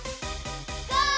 ゴー！